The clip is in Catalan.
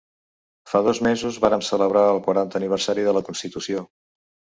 Fa dos mesos vàrem celebrar el quaranta aniversari de la constitució.